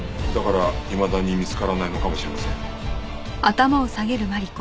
だからいまだに見つからないのかもしれません。